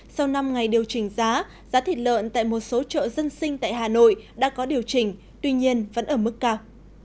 sau năm ngày điều chỉnh giá giá thịt lợn tại một số chợ dân sinh tại hà nội đã có điều chỉnh tuy nhiên vẫn ở mức cao